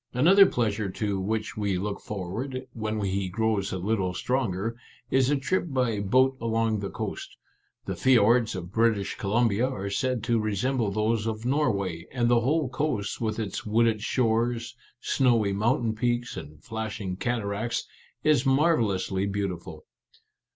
Another pleasure to which we look forward, when he grows a little stronger, is a trip by boat along the coast. The fiords of British Columbia are said to resemble those of Norway, and the whole coast, with its wooded shores, snowy moun tain peaks, and flashing cataracts, is marvel lously beautiful."